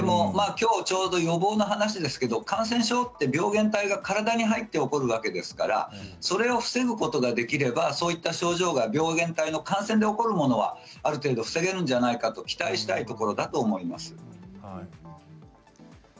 きょう予防の話ですけど感染症って病原体が体に入って起こるわけですからそれを防ぐことができれば、そういう症状は病原体の感染で起こるものはある程度防げるんじゃないかと期待したい